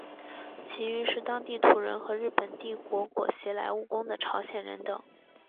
其余是当地土人和日本帝国裹挟来务工的朝鲜人等。